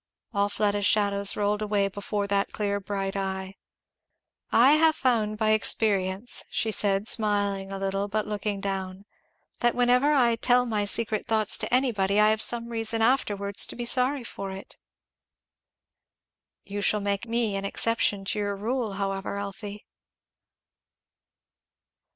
All Fleda's shadows rolled away before that clear bright eye. "I have found by experience," she said, smiling a little but looking down, "that whenever I tell my secret thoughts to anybody I have some reason afterwards to be sorry for it." "You shall make me an exception to your rule, however, Elfie."